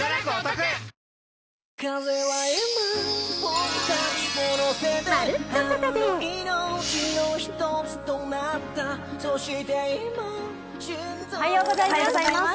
おはようございます。